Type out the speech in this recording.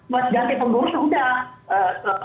masih ganti pengurus udah